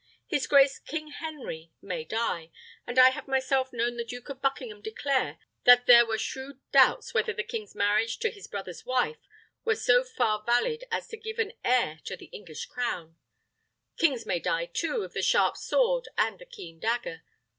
His grace King Henry may die, and I have myself known the Duke of Buckingham declare, that there were shrewd doubts whether the king's marriage with his brother's wife were so far valid as to give an heir to the English crown. Kings may die, too, of the sharp sword and the keen dagger.